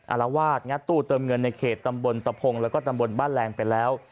อารวาสงัดตู้เติมเงินในเขตตำบลตะพงแล้วก็ตำบลบ้านแรงไปแล้ว